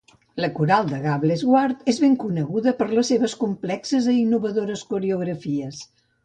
La coral de Gables Guard és ben coneguda pels seves complexes e innovadores coreografies.